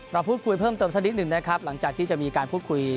เราพูดคุยเพิ่มเติมสักนิดหนึ่งนะครับหลังจากที่จะมีการพูดคุย